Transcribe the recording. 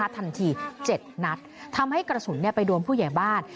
ทันที๗นัดทำให้กระสุนไปโดนผู้ใหญ่บ้าน